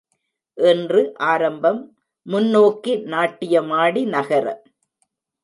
இன்று ஆரம்பம், முன்னோக்கி நாட்டியமாடி நகர.